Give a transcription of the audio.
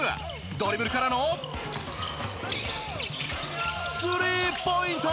ドリブルからのスリーポイント！